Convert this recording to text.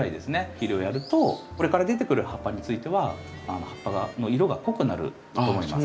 肥料やるとこれから出てくる葉っぱについては葉っぱの色が濃くなると思います。